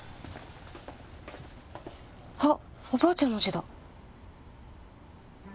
あっおばあちゃんの字だ！